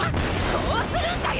こうするんだよ！